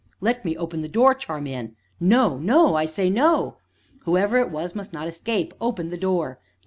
"Let me open the door, Charmian." "No, no I say no!" "Whoever it was must not escape open the door!"